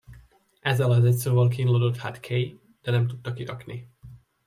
Ezzel az egy szóval kínlódott hát Kay, de nem tudta kirakni.